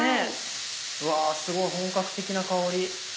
うわすごい本格的な香り。